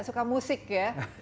suka musik ya